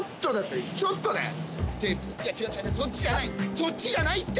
そっちじゃないって！